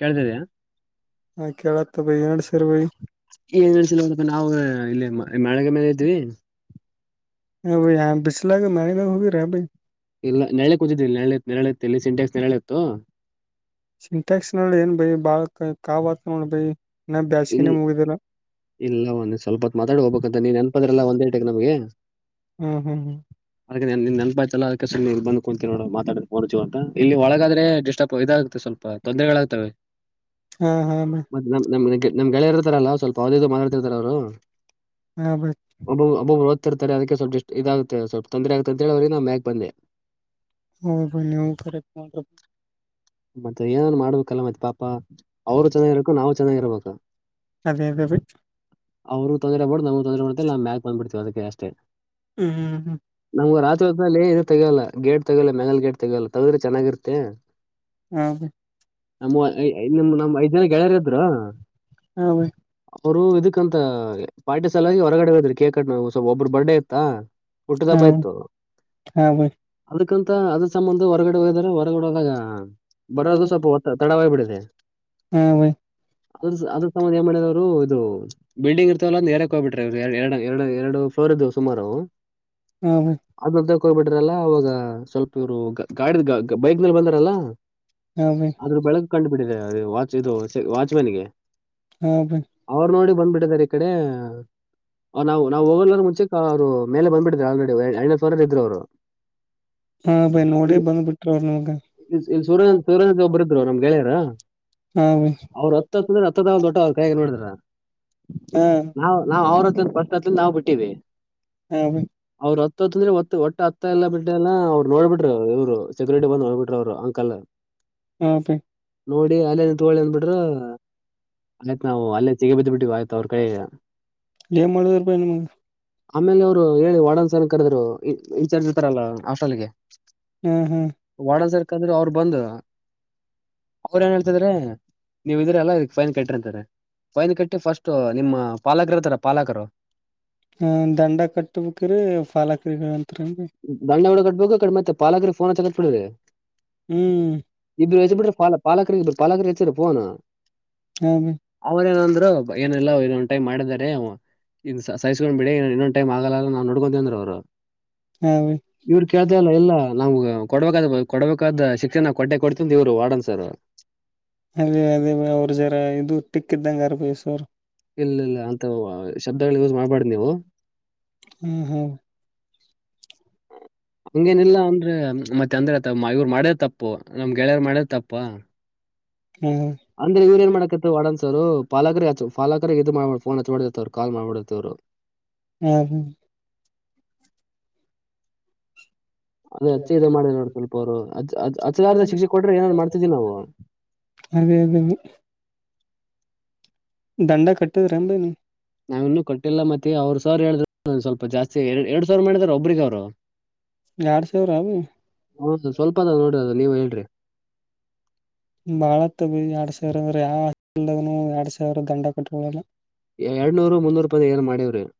ಕೇಳ್ತಿದ್ಯಾ ಹ ಕೇಳತ್ತ ಬ ಎ [unintelligible] ಸರ್ವೈ ಹೌದ ಇಲ್ಲಿ ಮ್ಯಾಳಗೆ ಮೇಲೆ ಇದ್ದೀವಿ ಹ ಯ ಬಿಸಲಾಗ ಮ ಹೋಗರ ಬ ಇಲ್ಲ ನೆಳೆ ಕೂತಿದ್ದಲ್ಲಿ ನೆೆ ನೆರಳ ಇತ್ತು ಇಲ್ಲಿ ಸಿಂಟೆಕ್ಸ್ ನೆರಳ ಇತ್ತು ಸಿಂಟೆಕ್ಸ್ ನಲ್ಲಿ ಏನ್ ಬೈಿ ಬಾಳ ಕಾವಾತ್ ನೋಡ್ ಬೈಿ ಇ ಇಲ್ಲ ಒನ್ನಿ ಸ್ವಲ್ಪ ಹೊತ್ ಮಾತಾಡ್ ಹೋಗ್ಬೇಕಂತ ನೀನ್ ನೆನ್ಪದ್ರಲ್ಲ ಒಂದೇಟಕ್ ನಮಗೆ ಹ್ಮ್ ಹ್ಮ್ ಹ್ಮ್ ನೀ -ನೀ ನೆಪಾಯತಲ್ಲ ಅದಕ್ಕೆ ಸುಮ್ನೆ ಇಲ್ ಬಂದ್ ಕುಂತಿ ನೋಡ ಮಾತಾಡೋ ಫೋನ್ ಜೋ ಇಲ್ಲಿ ಒಳಗಾದ್ರೆ ಡಿಸ್ಟಾಪ್ ಇದಾಗತ್ತೆ ಸ್ವಲ್ಪ ತೊಂದರೆಗಳಾಗ್ತವೆ ಹಾ ಹಾ ಮತ್ ನಮ್ ನಮ್ ನಮ್ ಗೆಳಯಾರ್ ಇರ್ತಾರಲ್ಲ ಸ್ವಲ್ಪ ಅದಿದು ಮಾತಾತಿರ್ತಾರ ಅವರು ಹಾ ಬ [unintelligible] ರ್ತಾರೆ ಅದಕ್ಕೆ ಸ್ವಲ್ಪ ಎಷ್ಟ ಇದಾಗುತ್ತೆ ಸ್ವಲ್ಪ ತೊಂದರೆ ಆಗುತ್ತೆ ಅಂತ ಹೇಳವ್ರ ನ ಮ್ಯಾಾಗೆ ಬಂದೆ ಹೌ ಬನ್ನ ಎವ್ ಕರ ಮ [unintelligible] ಮತ್ತೆ ಏನಾದ್ರು ಮಾಡ್ಬೇಕಲ್ಲ ಮತ್ತೆ ಪಾಪ ಅವರು ಚೆನ್ನಾಗಿರಬೇಕು ನಾವು ಚೆನ್ನಾಗಿರ್ಬೇಕಾ ಅದೇ ಅದೇ ಅವರು ತೊಂದ್ರೆ ಮಾಡೋಡ ನ ತೊಂದ್ರೆ ಮಾಡ್ತ್ರ್ ನಾ ಮ್ಯಾಕ್ ಬಂಡ್ಬುಟ್ ಅದಕ್ಕೆ ಅಷ್ಟೇ ಹ್ಮ್ ಹ್ಮ್ ಹ್ಮ್ ರಾತ್ರಿ ಹೊತ್ನಲ್ಲಿ ಇ ಗೇಟ್ ತಗೊಳಿ ಮೇಲೆ ಗೇಟ್ ತಗೊಳಿ ತಗೊಳಿ ಚೆನ್ನಾಗಿರುತ್ತೆ ಹ ಹ [unintelligible] ನಮ್ಮ ಐ- ಐ- ನಮ್ ನಮ್ ಐದ್ ಜನ ಗೆಳೆಯರ್ ಇದ್ರು ಹಾ ಬೈ ಅವರು ಇದಕ್ಕಂತ ಪಾರ್ಟಿಸಲಾಗಿ ಹೊರಗಡೆ ಹದ್ರ ಕೇಕ್ ಒಬ್ಬರು ಬರ್ಡೇ ಇತ್ತಾ ಹುಟ್ಟಿದ ಹಾ ಹಬ್ಬ ಹಾ ಬ ಯಂತ ಅದ್ರ ಸಂಬಂಧ ಹೊರಗಡೆ ಹೋಗಿದರೆ ಹೊರಗಡೆ ಹೋದಾಗ ಬರೋದು ಸ್ವಲ್ಪ ಹಾ ಹೊ ತಡವ್ಬಡೆ ಹ ಬೈ ಅದ ಅದ್ರ ಸಂಬಧ ಏ ಮಾಡಿದ [inaudible] ಇದು ಬಿಲ್ಡಿಂಗ್ ಇರ್ತವಲ್ಲ ಎರಡಕ್ ಹೋಗ್ಬಿಟ್ರೆ ಎರಡು ಎರಡು ಎರಡು ಫ್ಲೋರ್ ಇದು ಸುಮಾರು ಹ್ಮ ಹ ಬಿಡ್ರಲ್ಲ ಅವಾಗ ಸ್ವಲ್ಪ ಇವರು ಗಾಡಿದ ಬೈಕ್ ಬಂದಾರಲ್ಲಾ ಹಾ ಬೈ ಆದ್ರೂ ಬೆಳಗ್ ಕಂಡು ಬಿಿಡಿದೆ ಅ ವಾಚ್ ಇದು ವಾಚ್ಮೆನ್ಗೆ ಹಾ ಬೈ ಅವ್ರು ನೋಡಿ ಬಂದ್ಬಿಟ್ಟಿದ್ದಾರೆ ಕರೀ ನಾವು ನಾವು ಹೋಗರ ಮುಂಚೆ ಅವರು ಮೇಲೆ ಬಂದಿದೆ ಆಲ್ರೆಡಿ ಎರಡ ನೆ ಫ್ಲೋರ್ ಅಲ್ಲಿ ಇದ್ರು ಅವರು ಹಾ ಬೈ ನೋಡಿ ಬಂದ್ ಬಿಟ್ರ ಅವ್ರು ನಿಮ್ಗೆ ಇ ಇಲ್ಲಿ ಸೂರ್ಯನಂದ ಸೂರ್ಯನಂದ ಒಬ್ಬರು ಇದ್ರು ನಮ್ ಗೆಳೆಯರ ಹಾ ಬೈ ಅವ್ರ ಹತ್ತು ಹತ್ತ ಅಂದ್ರ ಹತ್ತತ್ತ ದೊಡ್ಡ ಅವ್ರ ಕಾಯ ನೋಡಿದ್ರ ಹಾ ನಾವವು ನಾವವು ಅವ್ರ ಹತ್ ಫಸ್ಟ್ ಹತ್ ನಾವವು ಬಿಟ್ಟವಿ ಹಾ ಬೈ ಹತ್ತು ಹತ್ತಿಗೆ ಇದ್ರೆ ಮ ಒಟ್ಟ ಅತ್ತ ಎಲ್ಲ ಬಿಟ್ಟೇ ಇಲ್ಲ ಅವರು ನೋಡಿ ಬಿಟ್ರು ಇವರು ಸೆಕ್ಯುರಿಟಿ ಬಂದು ನೋಡ್ಬಿಟ್ರು ಅವ್ರು ಅಂಕಲ್ ಹೂ ಓಕೆ ನೋಡಿ ಅಲ್ಲೇ ನಿಂತ್ಕೊಳ್ರೀ ಅಂದು ಬಿಟ್ರು ಅದುಕ್ಕೆ ನಾವು ಅಲ್ಲೇ ಸಿಗೆ ಬಿದ್ದು ಬಿಟ್ವಿ ವಾಯಿತು ಅವ್ರು ಕೈಯಾಗ ಎನ್ ಮಾಡದಪ್ಪ ಇನ್ನೂ ಮುಗಿದಿಲ್ಲ ಆಮೇಲೆ ಅವ್ರು ಹೇಳಿ ವಾರ್ಡನ್ ಸರ್ ಕರೆದ್ರು ಇನ್ಚಾರ್ಜ್ ಇರ್ತಾಲ್ಲಾ ಹಾಸ್ಟೆಲ್ ಗೆ ಹೂ ಹೂ ಕರೆದ್ರು ಅವ್ರು ಬಂದು ಅವ್ರ ಏನ್ ಹೇಳ್ತಾ ಇದಾರೆ ನೀವಿದಿರಾ ಅಲ್ಲ ಇದಕ್ ಫೈನ್ ಕಟ್ರಿ ಅಂತಾರೆ ಫೈನ್ ಕಟ್ಟಿ ಫಸ್ಟ್ ನಿಮ್ಮ ಪಾಲಕರು ಇರತಾರ ಪಾಲಕರು ಹ ದಂಡ ಕಟ್ಟಬೇಕು ರಿ ಪಾಲಕರಿಗಾ ದಂಡ ಗುಡ ಕಟ್ಬೇಕು ಬೇಕು ಮತ್ತೆ ಪಾಲಕ್ರ ಫೋನ್ ಹಚ್ಚಕತ ಹ್ಮ್ ಇಬ್ರು ಹಚ್ಚಿ ಬಿಟ್ರಿ ಪಾಲ ಪಾಲಕರಿಗೆ ಪಾಲಕರಿಗೆ ಹಚ್ಚಿದ್ರು ಫೋನ್ ಹಾ ಬಿ ಅವ್ರು ಏನ್ ಅಂದ್ರು ಏನಿಲ್ಲ ಏನೋ ಒಂದು ಟೈಮ್ ಮಾಡಿದರೆ ಇವು ಸಹಿಸ್ಕೊಂಡ್ ಬಿಡಿ ಇನ್ನೊಂದು ಟೈಮ್ ಆಗಲ್ಲ ನಾವ್ ನೋಡ್ಕೊಂತಿವಿ ಅಂದ್ರ ಅವ್ರು ಹಾ ಬಿ ಇವ್ರ ಕೇಳ್ತಾ ಇಲ್ಲ ಇಲ್ಲ ನಮಗ ಕೊಡ್ಬೇಕಾದ ಕೊಡ್ಬೇಕಾದ ಶಿಕ್ಷೆ ಕೊಟ್ಟೆ ಕೊಡ್ತೀವಿ ಅಂತ ಇವ್ರು ವಾರ್ಡನ್ ಸರ್ ಅದೇ ಅದೇ ಅವ್ರ ಜರ ಇದು ಟಿಕ್ಕ ಇದ್ದಂಗ ಆರ ಬಾಯ ಆ ಸರ್ ಇಲ್ಲ ಇಲ್ಲ ಅಂತ ಶಬ್ದಗಳು ಯೂಸ್ ಮಾಡ್ಬಾರ್ದ ನೀವು ಹಾ ಹಾ ಹಂಗೇನೆಲ್ಲಾ ಅಂದ್ರೆ ಮತ್ತೆ ಅಂದ್ರೆ ತ ಇವ್ರು ಮಾಡೇ ತಪ್ಪು ನಮ್ ಗೆಳೆಯರ್ ಮಾಡೇ ತಪ್ಪ ಹ್ಮ್ ಅಂದ್ರೆ ಇವ್ರ ಏನ್ ಮಾಡಕತ್ತರ ವಾರ್ಡೆನ್ಸ್ ಪಾಲಕ್ರ ಪಾಲಕರು ಇದು ಮಾಡ್ ಫೋನ್ ಹಚ್ಚಬಾರ್ದಿತ್ತು ಕಾಲ್ ಮಾಡಬಾರದಿತ್ತು ಹ್ಮ್ ಹ್ಮ್ ಅದೇ ಹಚ್ಚಿ ಇದ ಮಾಡಿದ್ರು ನೋಡ ಸ್ವಲ್ಪ ಅವ್ರು ಹಚ್ ಹಚ್ ಹಚ್ಚಲಾರದ ಶಿಕ್ಷೆ ಕೊಟ್ರೆ ಏನಾರಾ ಮಾಡ್ತಾ ಇದ್ವಿ ನಾವು ಅದೇ ಅದೇ ದಂಡಾ ಕಟ್ಟಿದ್ರಿ ಏನ್ ಬಾಯ್ ನೀವು ನಾವ ಇನ್ನೂ ಕಟ್ಟಿಲ್ಲ ಮತ್ತೆ ಅವ್ರು ಸರ್ ಹೇಳಿದ್ರು ಸ್ವಲ್ಪ ಜಾಸ್ತಿ ಎ ಎರಡ್ ಸಾವಿರ ಮಾಡಿದಾರ ಒಬ್ರಿಗೆ ಅವರು ಎರಡ್ ಸಾವಿರ ಬೈ ಹದ ನೀವ ಹೇಳ್ರಿ ಬಾಳತ್ ಬೈ ಎರಡ್ ಸಾವಿರ ಅಂದ್ರ ಯಾ ಹಾಸ್ಟೆಲ್ ದವನು ಎರಡ್ ಸಾವಿರ ದಂಡ ಕಟ್ಟಂಗಿಲ್ಲ ಎರಡ್ನೂರ್ ಮುನ್ನೂರು ರೂಪಾಯಿ ಏನ್ ಮಾಡಿವ್ರಿ [inaudible]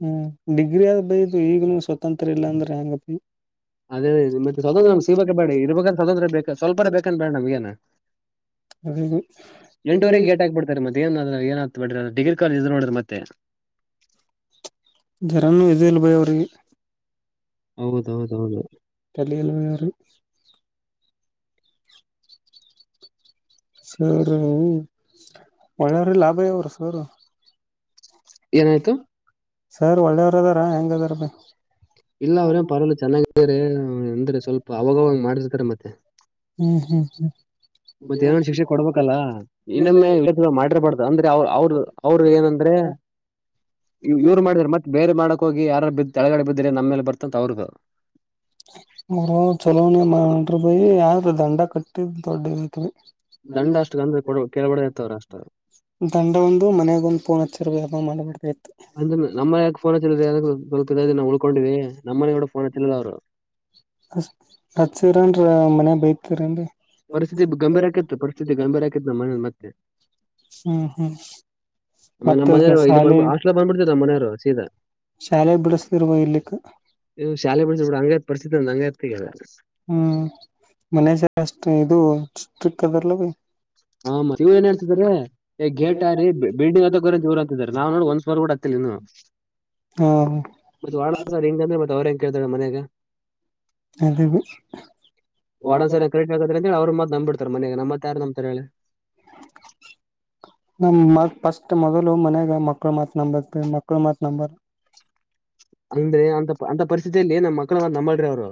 ಹ್ಮ್ ಡಿಗ್ರಿ ಆದ ಬೈದುು ಈಗನು ಸ್ವತಂತ್ರ ಇಲ್ಲಾ ಅಂದ್ರೆ ಹಂಗಪ್ಪಿ ಅದೇ ಅದೇ ಮತ್ತೆ ಸ್ವತಂತ್ರ ನಮ್ ಸಿಬೇಕ ಬೇಡ ಇರ್ಬೇಕಂದ ಸ್ವತಂತ್ರ ಬೇಕ ಸ್ವಲ್ಪರ ಬೇಕನ್ ಬೇಡ ನಮ್ಗೇನ ಅದೇ ಬೈ ಎಂಟೂುವರೆಗೆ ಗೇಟ್ ಹಾಕ್ಬಿಡ್ತಾರೆ ಮತ್ತೆ ಏನ್ ಅ ಏನ್ ಮತ್ತೆ ಡಿಗ್ರ ಕಾಲಜ್ ನೋಡಿ ದ್ರ ಮತ್ತ ಜರನ್ನುೂ ಇದು ಇಲ್ ಬೈ ಅವರಿಗೆ ಹೌದೌದೌದು ತಲಿ ಇಲ್ಲ ಬೈ ಅವ್ರಿಗಿ ಸರಿ ಒಳ್ಳರಿ ಭ ಯ ಅವರು ಸರು [inaudible] ಏನಾಯ್ತು ಸರ್ ಒಳ್ಳೆಯವ್ರ ಅದಾರ ಹೆಂಗ ಅದಾರ ಬಾಯಿ ಇಲ್ಲ ಅವ್ರೇ ಪರಲ್ ಚೆನ್ನಾಗ್ರ ಎಂದ್ರೆ ಸ್ವಲ್ಪ ಅವಾಗವಾಗ ಮಾಡಿರ್ತಾರೆ ಮತ್ತೆ ಹ ಮತ್ತೆ ಏನನ್ ಶಿಕ್ಷೆ ಕೊಡ್ಬೇಕಲ್ಲ ಇನ್ನೊಮ್ಮೆ ಮಾಡಿರ್ಬಾರ್ದು ಅಂದ್ರೆ ಅವ ಅವ್ರ ಅವರು ಏನಂದ್ರೆ ಇವ್ರು ಮಾಡಿದಾರೆ ಮತ್ತೆ ಬೇರೆ ಮಾಡಕ್ ಹೋಗಿ ಯಾರ ಬ ಕೆಳಗಡೆ ಬಿದ್ದ್ರೆ ನಮ್ಮೇಲೆ ಬರ್ತಂತ ಅವ್ರದ ಅವರ ಚಲೋನೇ ಮಾಡನ್ ಭಾಯಿ ಯ ದಂಡ ಕಟ್ಟಿದ್ ದೊಡ್ಡತ್ವಿ ದಂಡ ಅಷ್ಟು ಅಂದ್ರೆ ಕೊಡ ಕೇಳ್ಬಾರ್ದ ಇತ್ತು ಅವ್ರು ಅಷ್ಟ ದಂಡ ಒಂದು ಮನೆಗೊಂದು ಪೋನ್ ಹ ರೂಪ ಮಾಡ [unintelligible] ಅಂದ್ರೆ ನಮ್ಮ ಯಾಗ ಫೋನ್ ಹಚ್ಚಲ ಯ ನಾವು ಉಳ್ಕೊಂಡೀವಿ ನಮ್ಮ ಮನೆ ಕೂಡ ಫೋನ ಹಚಿಲ್ಲ ಅವರು ಅ ಹಚ್ಚಿರೇನ್ರಿ ಮನೆಯ ಬೈತರೇನ್ರಿ ಪರಿಸ್ಥಿತಿ ಗಂಭೀರ ಆಕಿತ್ತು ಪರಿಸ್ಥಿತಿ ಗಂಭೀರ ಆಕಿತ್ತು ನಮ್ಮ ಮನೆವ ಮತ್ತೆ ಹ್ಮ್ ಹ್ಮ್ ಆಮೇಲೆ ನಮ್ಮ ಮತ್ತ ಮನೆಯವರು ಶಾಲೆ ಹಾಸ್ಟೆಲ್ ಇಲ್ಲಿ ಆ ಬಂದ್ಬಿಡ್ತಿತ್ತು ನಮ್ಮ ಮನೆಯವರು ಸೀದಾ ಶಾಲೆ ಬಿಡಸ್ತಿರ್ ಬೈ ಇರ್ಲಿಕ್ಕ ಶಾಲೆ ಬಿಡಿಸಿ ಬೇಡ ಹಂಗೆ ಹ್ಮ್ ಮನೆ ಸ ಅಷ್ಟತು ಇದು ಚಿಕ್ ಅದರ್ಲ್ಲ ಬಿ ಹ ಮತ್ತ ಮದುವಿ ನವ್ ಏನ್ ಹೇತಿದಾರೆ ಗೇಟ್ ಹಾರಿ ಬಿಲ್ಡಿಂಗ್ ಹತ್ತಿ ಗ ದೂರ ಆಗತಿದ್ದಾರೆ ನಾವ್ ನೋಡ ಒಂದ್ಸವಾರ್ ಕೂಡ ಅತ್ತೇ ಇನು ಹ ಮತ್ತ ವ ಹಿಂಗ ಅಂದ್ರೆ ಮತ್ತೆ ಅವ್ರ ಹೆಂಗ ಕೇಳ್ತಾರೆ ಮನ್ಯಾಗ ಅದವಿ ಒಡನ್ ಸನ ಕ್ರೆಟ್ ಆಗದ್ರ ಅಂತ ಹೇಳಿ ಅವ್ರರು ಮತ್ ನಂಬ್ಬಿಡ್ತಾರೆ ಮನ್ಯಾಗ ನಮ್ಮ ಮಾತ ಯಾರ ನಂಬ್ತಾರ ಹೇಳಿ ನ್ ಮ ಫಸ್ಟ್ ಮೊದಲು ಮನ್ಯಾಗ ಮಕ್ಕಳ ಮಾತ್ ನಂಬರ್ತವಿ ಮಕ್ಕಳ ಮಾತ್ ನಂಬಾರ ಅಂದ್ರೆ ಅಂತ ಅಂತ ಪರಿಸ್ಥಿತಿ ಸ್ ನಮ್ಮ ಮಕ್ಕಳ ನಂಬಾಡ್ರಿ ಅವರು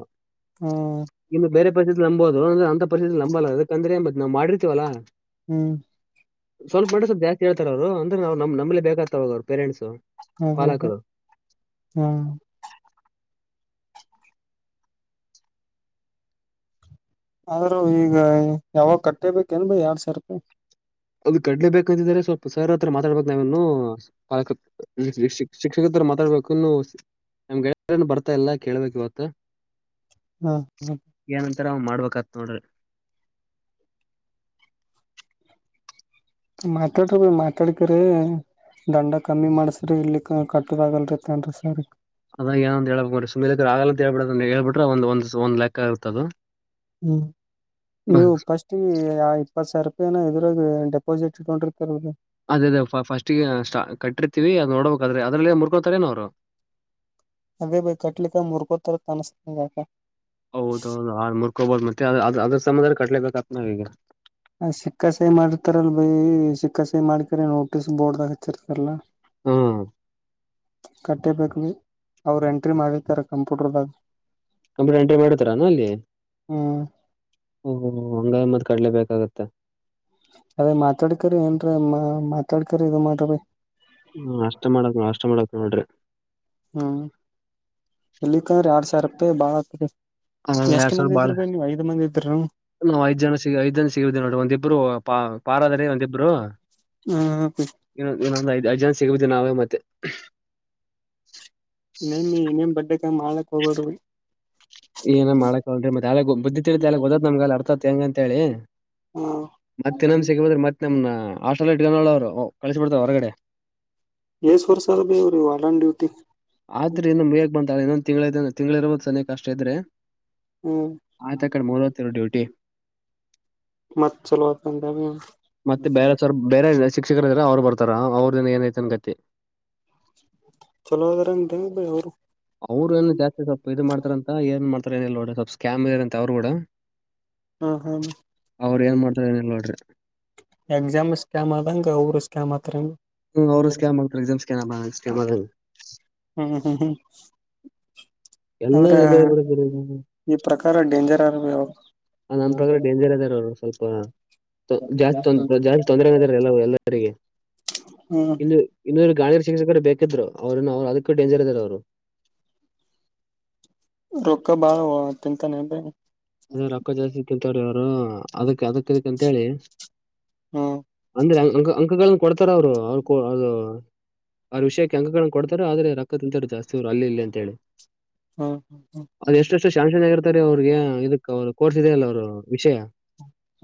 ಹ್ಮ್ ಇ ಬೇರೆ ಪಸೆ ನಂಬೋದ [unintelligible] ಅಲ್ಲ ಅದಕಂದ್ರೆ ಬತ್ ನಾ್ ಮಾಡಿರ್ತಿವಲ್ಲ ಹ್ಮ್ ಸ್ವಲ್ಪ ಮಾಡಿ ಸ್ವಲ್ಪ ಬ್ಯಾಕ್ ಹೇಳ್ತಾರ ಅವರು ಅಂದ್ರೆ ನಮ್ ನಮ್ಮಲೆ ಬೇಕಾಗ್ತಾವೋಗರು ಪೇರೆಂಟ್ಸು ಹಾ ಹಾ ಹಾ ಹ್ಮ್ ಆದ್ರೂ ಈಗ ಯಾವಾಗ ಕಟ್ಟೇಬೇಕೇನ್ ಭೈ ಎರಡ್ ಸಾವಿರ ರೂಪಾಯಿ ಅದು ಕಟ್ಲೆಬೇಕಂತಿದ್ರೆ ಸ್ವಲ್ಪ ಸರ್ ಹತ್ರ ಮಾತಾಡ್ಬೇಕ್ ನಾವ ಇನ್ನು ಶಿಕ್ಷಕತ್ರ ಕೇಳ್ಬೇಕು ನಮ್ಗ್ ಬರ್ತಾ ಇಲ್ಲಾ ಕೇಳ್ಬೇಕು ಇವತ್ತು ಹ್ಮ್ ಹ್ಮ್ ಏನಂತಾರ ಮಾಡ್ಬೇಕತ್ ನೋಡ್ರಿ ಮಾತಾಡ್ರಿ ಭೈ ಮಾತಾಡ್ಕ್ರ ದಂಡ ಕಮ್ಮಿ ಮಾಡಸ್ರಿ ಇಲ್ಲಿ ಕಟ್ಟೋದಗಲ್ರಿ ಸರಿ ಅದಾಗ ಏನಂತ ಹೇಳಳ್ಬೇಕ ಆ ಅಂತೇಳ್ಬಿಡ ಹೇಳ್ಬಿರೆ ಒಂದ ಒಂದ ಒಂದು ಲೇಕ ಆಗತದು ಹ್ಮ್ ನೀವು ಫಸ್ಟ್ ಇಪ್ಪತ್ ಸಾವಿರ ರೂಪಾಯ ಇದ್ರಾಗ ಡೆಪಾಸಿಟ್ ಇಟ್ಕೊಂಡ್ರಿ ಅದೇ ಅದೇ ಫಸ್ಟ್ಗೆ ಕಟ್ಟ ಅದ್ ನೋಡ್ಬೇಕಾದ್ರೆ ಅದ್ರಲ್ಲ ಮುರ್ಕೊಳ್ತಾರೇನ ಅವ್ರು ಅದೇ ಭೈ ಕಟ್ಲಿಕ ಮುರಿಕೋತರ ತಾಣಸ್ತದಕ ಹೌದೌದು ಹಾ ಮುರ್ಕೋಬೋದು ಮತ್ತೆ ಅದು ಅದ್ರ ಸಂ ಕಟ್ಲೇಬೇಕಪ್ಪ ನಾವ ಈಗ ಆ ಸಿಕ್ಕ ಸಾಯಿ ಮಾಡಿತಾರಲ್ ಭಾಯ್ ಚಿಕ್ಕ ಸಾಯಿ ಮಾಡಕ್ರ ನೋಟಿಸ್ ಬೋರ್ಡ್ದಾಗ ಹಚ್ಚಿರ್ತಾರಲ್ಲ ಹ್ಮ್ ಕಟ್ಟಿಬೇಕು ಭಾಯ್ ಅವರು ಎಂಟ್ರಿ ಮಾಡತಾರೆ ಕಂಪ್ಯೂಟರ್ದಾಗ ಕಂಪ್ಯೂಟರ್ ಎಂಟ್ರಿ ಮಾಡತಾರ ಅಲ್ಲಿ ಹ್ಮ್ ಹಂಗ ಮತ್ ಕಡ್ಲೇಬೇಕ [unintelligible] ಅದೇ ಮಾತಾಡ್ಕರಿ ಏನ್ರೀ ಮಾತಾಡ್ಕರಿ ಇದು ಮಾತಡ್ ಹ್ಮ್ ಅಷ್ಟ ಮಾಡಕ್ ಅಷ್ಟ ಮಾಡಕ್ ನೋಡ್ರಿ ಹ್ಮ್ [inaudible] ಎಲ್ಲಿಕಂದ್ರೆ ಎರಡ್ ಸಾವಿರ ರೂಪಾಯಿ ಬಾಳ ಆತದೆ ಹಾ ಎರಡ್ ಸಾವಿರ ಬಾಳ ಇದ್ರ ಹ್ಮ್ [inaudible] ನಾವ ಐದ್ ಜನ ಸಿಗ್ ಐದ್ ಜನ ಸಿಗೇ ನೋಡ ಒಂದಿಬ್ರು ಪಾರಾದ್ರ ಒಂದಿಬ್ರು ಇನ್ನೊಂದು ಐದು ಎರಡ್ ಜನ ಸಿಗ್ಬದ್ವಿ ನಾವೇ ಮತ್ತೆ ಹಂಗ್ ಮಾಡಕ್ ಹೋಗ್ಬೇಡ್ರಿ ಭೈ ಏನ ಮಾಡಕ್ಲ್ ಮತ್ತೆಳೆ ಬುದ್ದಿ ತಿಲಿತ್ ಗೊದತ್ ನಮ್ಗ ಅರ್ಥತ್ ಹೆಂಗ ಅಂತ ಹೇಳಿ ಮತ್ತೆ ಹ್ಮ್ ಸಿಗಬದ್ರ ಮತ್ತೆ ನಮ್ ಹಾಸ್ಟೆಲ್ ಇಟ್ಗನಲ ಅವರು ಕಳಸಬಿಡ್ತರೆ ಹೊರಗಡೆ [unintelligible] ವರ್ಷ ಅದ ಬೇವ್ರೀ ವಾಡನ್ ಡ್ಯೂಟಿ ಆದ್ರೆ ಇನ್ನೊ ಹೇಗ್ ಬಂದ ಇನ್ನೊ ತಿಂಗಳ [unintelligible] ತಿಂಗಳ ಇರ್ಬಾಕು ಸನಿಕ್ ಕಷ್ಟೇ ಐತ್ರಿ ಹ್ಮ್ ಡ್ಯೂಟಿ [inaudible] ಮತ್ತ ಚಲತಂದ ಮತ್ತೆ ಬೇರೆ ಸರ್ ಬೇ ಶಿಕ್ಷಕರ ಇದ್ರೆ ಅವರು ಬರ್ತಾರಾ ಅವ್ರ ದಿನ ಏನಐತಿ ಅನ್ ಕತ್ತಿ ಚಲೋ ಅದ ರಂಗೇ ಬ ಅವರು ಅವ್ರು ಏನು ಜಾಸ್ತಿ ಸ್ವಲ್ಪ ಇದು ಮಾಡ್ತಾರಂತ ಏನ್ ಮಾಡ್ತ ಸ್ಕ್ಯಾಮ್ ಅಂತ ಅವ್ರು ಕೂಡ ಹ ಹ ಅವ್ರು ಏನ್ ಮಾಡ್ತಾರ ಏನಿಲ್ಲ ನೋಡ್ರಿ ಎಕ್ಸಾಮ್ ಸ್ಕಾಮ್ ಆದಂಗ ಅವರು ಸ್ಕಾಮ್ ಆದ ಕತ್ರಮ್ ಹ್ಮ ಅವ್ರು ಸ್ಕ್ಯಾನ್ ಮಾಡರೆ ಸ್ಕ್ಯಾನ್ ಹ್ಮ್ ಹ್ಮ್ ಹ್ಮ್ ಎಲ್ಲ ಅಂದ್ರ ಇದ ಈ ಪ್ರಕಾರ ಡೇಂಜರ್ ಆರ್ ಅವ. ನಮ್ಮ ಪ್ರಕಾರ ಡೇಂಜರ್ ಅದಾರ ಅವರು ಸ್ವಲ್ಪ ಜಾಸ್ತಿ ಜಾಸ್ತಿ ತೊಂದರೆದಾರ ಎಲ್ಲರು ಎಲ್ಲರಿಗೆ ಹ್ಮ್ ಇಂದು ಇನ್ನೊಂದು ಗಾ ಶಿಕ್ಷಕರು ಬೇಕಿದ್ರು ಅವ್ರನ್ನು ಅವ್ರು ಅದಕ್ಕ ಡೇಂಜರ್ ಇದಾರ ಅವರು ರೋಕ್ಕ ಬಾಳ ತಿಂತಾನ ಏನ್ರಿ ಅ ರೊಕ್ಕ ಜಾಸ್ತಿ ತಿಂತವ್ರ ಅವರು ಅದಕ್ಕೆ ಅದಕ್ಕಕ್ಕೆ ಅಂತ ಹೇಳಿ ಹ್ಮ್ ಅಂದ್ರೆ ಅಂಕಗಳನ್ನ ಕೊಡ್ತಾರ ಅವರು ಅವರು ಅದು ಅವ್ರ ವಿಷಯಕ್ಕೆ ಅಂಕಗಳಗಳನ್ನು ಕೊಡ್ತಾರ ಆದ್ರೆ ರೊಕ್ಕ ತಿಂತಾರ ಜಾಸ್ತಿ ಅವ್ರು ಅಲ್ಲಿ ಇಲ್ಲಿ ಅಂತ ಹೇಳಿ ಹ್ಮ್ ಹ್ಮ್ ಅದು ಎಷ್ಟಷ್ಟು ಶ್ಯಾಮ್ಶನ್ ಆಗ ಇರ್ತಾರೆ ಅವ್ರಿಗೆ ಇದ ಅವರು ಕೋರ್ಸಿದಲ್ಲ ಅವರು ವಿಷಯ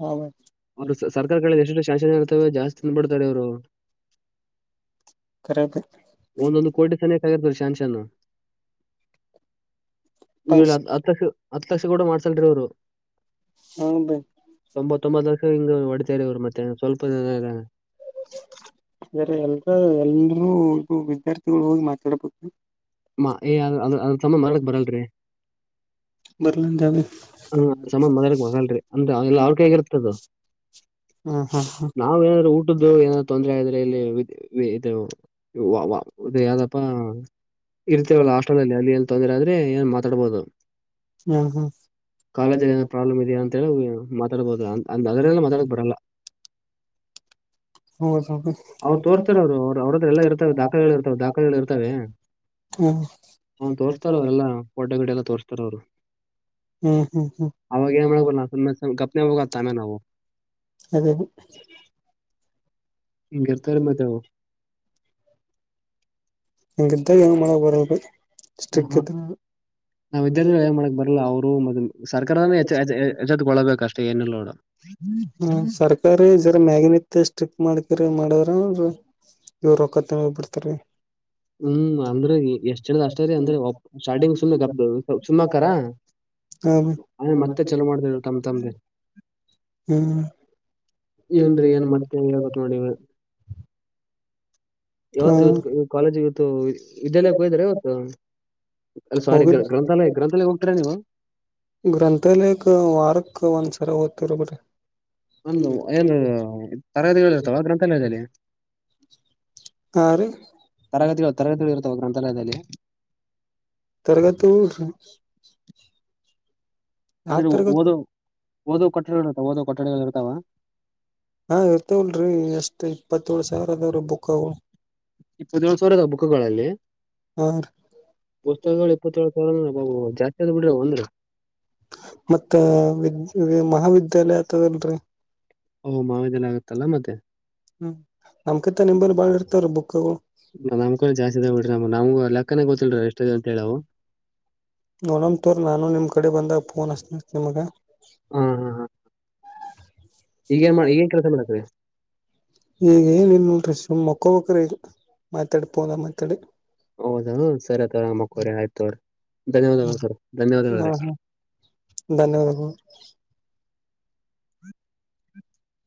ಹ್ಮ್ ಅವರು ಸರ್ಕಾರ ಕ ಎಷ್ಟಷ್ಟು ಶಾಕ್ಷನ್ ಇರ್ತವೆ ಜಾಸ್ತಿ ತಿಂದ ಬಿಡ್ತಾರೆ ಅವರು ಕರೆ ಒಂದೊಂದು ಕೋಟಿ ಸನೆಕಾ ಆಗರ್ತ ಶನ್ ಚನ್ನ ಈ ಹತ್ತು ಲಕ್ಷ ಹತ್ತು ಲಕ್ಷ ಕೂಡ ಮಾಡ ಸಲ್ ಅವರು ಹ್ಮ ತೊಂಬತ್ತೊಂಬತ್ ಲಕ್ಷ ಹಿಂಗ ಹೊಡ್ತೇರಿ ಇವರು ಮತ್ತೆ ಸ್ವಲ್ಪ ಜನ ಬೇರೆ ಎಲ್ರ ಎಲ್ರೂ ಇದು ವಿದ್ಯಾರ್ಥಿಗಳು ಹೋಗಿ ಮಾತಾಡ್ಬೇಕ ಮಾ ಏ ಅ ಅದ ತಮ್ಮ ಮಾಡಕ್ ಬರಲ್ರಿ ಬರ್ಲನ್ ಜಾವ ಹ ಸಮನ್ ಮೊದಲಕ್ ಮಗಲ್ರಿ ಅಂದ್ರೆ ಎಲ್ಲ ಅವ್ರಕ ಹೇಗಿರ್ತದು ಹ್ಮ್ ಹ್ಮ್ ನಾವ್ ಏನಾದ್ೂ ಊಟದ್ದು ಏನಾದ ತೊಂದರೆ ಆದ್ರೆ ಇಲ್ಲಿ ಇದು ಹದ ಯಾವ್ದಪ್ಪಾ ಇರ್ತೇವಲ್ಲ ಹಾಸ್ಟೆಲ್ಲ್ಲಿ ಅಲ್ಲಿಲ್ಲಿ ತೊಂದ್ರೆ ಆದ್ರೆ ಏನ್ ಮಾತಾಡ್ಬಹದು. ಹ್ಮ್ ಹ್ಮ್ ಕಾಲೇಜಲ್ಲಿ ಏನ ಪ್ರಾಬ್ಲಮ್ ಇದಾ ಅಂತ ಹೇಳಿ ಮಾತಾಡಬಹದು ಅದ್ರೆಲ್ಲ ಮಾತಾಡಕ್ ಬರಲ್ಲ. [unintelligible] ಅವ್ರು ಹ್ಮ್ ತೋರಿಸ್ತಾರ ಅವ್ರು ಅವ್ರ ಅವ್ರ ಹತ್ರ ಎಲ್ಲ ಇರ್ತಾವೆ ದಾಖಲೆಗಳು ಇರ್ತಾವೆ ದಾಖಲೆಗಳು ಇರ್ತವೆ ಅವ್ನು ತೋರಿಸ್ತಾರ ಅವ್ರೆಲ್ಲ ಫೋಟೋ ಗಿಡ ಎಲ್ಲ ತೋರಿಸ್ತಾರ ಅವ್ರು ಹ್ಮ್ ಹ್ಮ್ ಅವಾಗ ಏನ್ ಮಾಡಕ್ ಬರಲ್ಲ ಸುಮ್ಮನೆ ಸುಮ್ ಗಪ್ನೆ ಹೋಗೋದ್ ತಾನೇ ನಾವು ಅದೇ ಹಿಂಗ್ ರ್ತರ ಮತ್ ಅವು ಇಂಗ್ದ ಏನ ಮಳಗೆ ಬರಲ್ಲರಿ. ಆಹಾ. [unintelligible] ನಾವ್ ಇದ್ದಿದ್ರೆ ಏನ್ ಮಾಡಕ್ ಬರಲ್ಲ ಅವರು ಮತ್ತೆ ಸರ್ಕಾರನೇ ಎಚ್ಚ ಎಚ್ಚ- ಎಚ್ಚೆತ್ಕೊಳ್ಬೇಕು ಅಷ್ಟೇ ಏನಿಲ್ಲ ನೋಡು ಹ್ಮ ಸರ್ಕಾರ ಮ್ಯಾಗನ ಇತ್ ಸ್ಟ್ರಿಕ್ ಮಾಡ್ಕ್ರ ಮಾಡ್ರ ಅಂದ್ರ ಇವರು ರೊಕ್ಕತ್ ಬಿಡ್ತಾ ರೀ. ಹ್ಮ್ ಅಂದ್ರೆ ಎಷ್ಟ್ ಚಲದ್ ಅಷ್ಟದೆ ಅಂದ್ರೆ ಸ್ಟಾರ್ಟಿಂಗ್ ಸುಮ್ನೆ ಗಬ್ ಸುಮ್ಮಾಕರ ಹ ಆಮೇಲೆ ಮತ್ತೆ ಚಲೋ ಮಾಡ್ತ ತಮ್ಮ ತಮ್ದೆ ಹ್ಮ್ ಏನ್ರೀ ಏನ್ ಮತ್ ಹೇಳಬೇಕು ನೋಡಿ ನೀವೆ ಹಾ ಕಾಲೇಜ್ ಇವತ್ತು ವಿದ್ಯಾಲಯಕ್ಕೆ ಹೋದ್ರ ಇವತ್ತು ಅ ಸಾರಿ ಗ ಹೋಗಿದ್ದ ಗ್ರಂಥಾಲಯ ಗ್ರಂಥಾಲಯ ಹೋಗ್ತರಾ ನೀವು ಬರಬರ ಒಂದು ಏನು ತರಗತಿಗಳಿರ್ತವಾ ಗ್ರಂಥಾಲಯದಲ್ಲಿ ಹಾ ರೀ ತರಗತಿಗಳು ತರಗತಿಗಳು ಇರುತಾವ ಗ್ರಂಥಾಲಯದಲ್ಲಿ ತರಗತಿ ಯಾವ ಆದ್ರೆ ತರಗತಿ ಓದೋ ಓದೋ ಕೊಟ್ಟಡಿಗಳು ಇರ್ತಾವ ಓದೋ ಕೊಟ್ಟಡಿಗಳು ಇರ್ತಾವ. ಹಾ ಇರ್ತವಲ್ರೀ ಎಷ್ಟ್ ಇಪ್ಪತ್ತಏಳ ಸಾವಿರ ಅದಾವ್ರೀ ಬುಕ್ ಅವ ಇಪ್ಪತ್ತೇಳ್ ಸಾವಿರದ ಬುಕ್ಗಳಲ್ಲಿ ಹಾರಿ ಪುಸ್ತಕಗಳು ಇಪ್ಪತ್ತೇಳು ಸಾವಿರ ಅಂದ್ರೆ ಅಬ್ಬಬ್ಬ, ಜಾಸ್ತಿ ಅದ ಬಿಡ್ರಿ ಅವ್ ಅಂದ್ರ [unintelligible] ಮತ್ತ ಮಹ ವಿದ್ಯಾಲಯ ಆಗ್ತದಲ್ರರಿ ಓಹ ಮಾವಿದಲ್ಲ ಆಗತ್ತಲ್ಲ ಮತ್ತೆ ಹ್ಮ್ ನಮ್ಕಿಂತ ನಿಂಬರ್ ಬಾಳ ಇರ್ತವ್ರ ಬುಕ್ ನಮ್ ಕಡೆ ಜಾಸ್ತಿ ಇದಾವ ಬಿಡ್ರಿ ನಮ್ ನಮ್ಗೂ ಲೆಕ್ಕನೆ ಗೊತ್ತಿಲ್ರಿ ಎಷ್ಟಿದೆ ಅಂತ ಹೇಳಿ ಅವು ನೋಡಮ ತವ್ರ ನಾನು ನಿಮ್ಮ ಕಡೆ ಬಂದಾಗ ಫೋನ್ ಅಷ್ಟ ನಿಮಗೆ ಹಾ ಹ್ಮ. ಹಾ ಹಾ ಈಗ ಈಗೇನ್ ಮಾಡ ಈಗೇನ್ ಕೆಲಸ ಮಾಡಕ್ರಿ ಏನ್ ನ್ ನೋಲ್ ಈಗ ಮಕ್ಕೋಬೆಕ್ರಿ ಇದು ಮಾತಾಡಿ ಪೋನ ಮಾತಾಡಿ ಹೌದಾ ಸರಿತವರ ಮಕ್ಕೋರಿ ಆಯ್ತವ್ರಿ. ಧನ್ಯವಾದಗಳು ಸರ್ ಹಾ ಧನ್ಯವಾದಗಳರಿ. ಹಾ ಧನ್ಯವಾದಗಳು.